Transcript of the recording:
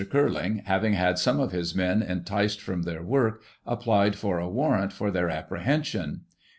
Curling, having had some of his men enticed from their work, applied for a warrant for their apprehension.